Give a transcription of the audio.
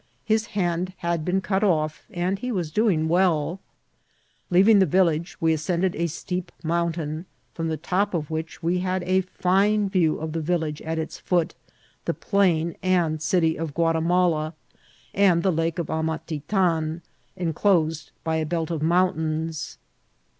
His hand had been cut off, and he was doing welL Leaving the vil lage, we ascended a steep mountain, from the top of which we had a fine view of the village at its foot, the plain and city of Guatimala, and the Lake of Amati tan, enclosed by a belt of mountains.